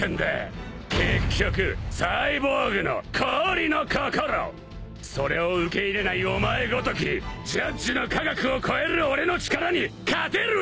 結局サイボーグの氷の心それを受け入れないお前ごときジャッジの科学を超える俺の力に勝てるわけねえ！